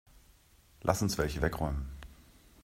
Lass uns welche wegräumen.